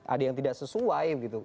ada yang tidak sesuai gitu